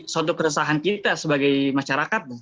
suatu keresahan kita sebagai masyarakat